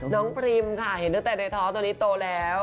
น้องพริมค่ะเห็นตั้งแต่ในท้อตัวนี้โตแลนด์